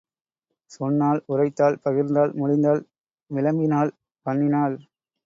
சொன்னாள், உரைத்தாள், பகிர்ந்தாள், மொழிந்தாள், விளம்பினாள், பண்ணினாள்